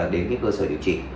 đến cái cơ sở điều trị